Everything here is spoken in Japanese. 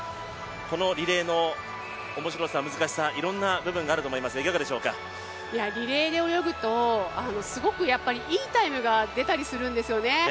このリレーの面白さ、難しさいろいろあると思いますがリレーで泳ぐとすごくいいタイムが出たりするんですよね。